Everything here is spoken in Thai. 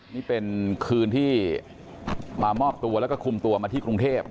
นี่เป็นคืนที่มามอบตัวแล้วก็คุมตัวมาที่กรุงเทพ